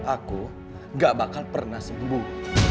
aku gak bakal pernah sembuh